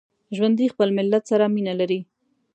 ژوندي خپل ملت سره مینه لري